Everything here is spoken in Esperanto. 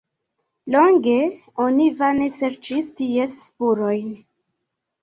Longe oni vane serĉis ties spurojn.